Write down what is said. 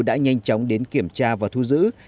đã nhanh chóng đến kiểm tra và thu giữ